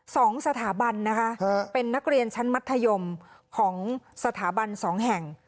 สองสถาบันนะคะเป็นนักเรียนชั้นมัธยมของสถาบันสองแห่ง